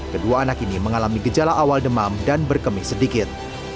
kedua anak ini mengalami gejala awal demam dan berkemih sedikit